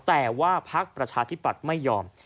แต่ว่าภักดิ์ประชาธิบัตรไม่ยอม